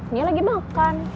dia lagi makan